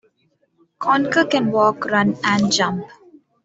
Conker can walk, run, and jump.